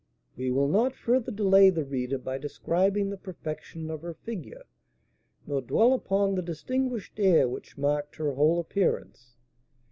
We will not farther delay the reader by describing the perfection of her figure, nor dwell upon the distinguished air which marked her whole appearance.